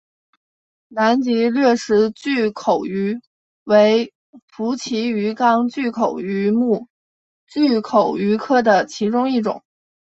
南极掠食巨口鱼为辐鳍鱼纲巨口鱼目巨口鱼科的其中一种。